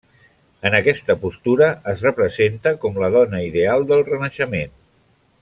En aquesta postura, es representa com la dona ideal del Renaixement.